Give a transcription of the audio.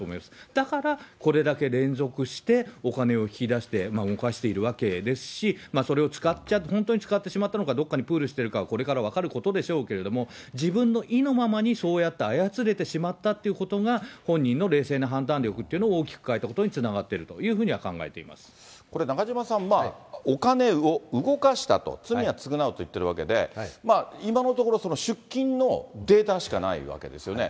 だから、これだけ連続してお金を引き出して、動かしているわけですし、それを本当に使ってしまったのか、どっかにプールしているかこれから分かることでしょうけれども、自分の意のままに、そうやって操れてしまったということが、本人の冷静な判断力というのを大きく欠いたことにつながっているこれ、中島さん、お金を動かしたと、罪を償うと言ってるわけで、今のところ、出金のデータしかないわけですよね。